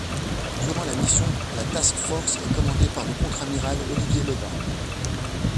Durant la mission la task force est commandée par le contre amiral Olivier Lebas.